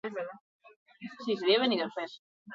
Beltzak dira eta euria egiten duenerako oso aproposak.